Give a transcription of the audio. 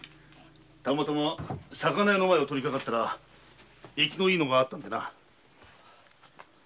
魚屋の前を通りかかったら生きのいいのがあったのでな。